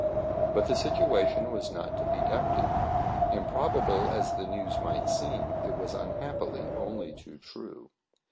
But the situation was not to be doubted. Improbable as the news might seem, it was unhappily only too true.